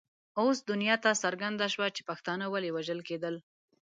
اوس دنیا ته څرګنده شوه چې پښتانه ولې وژل کېدل.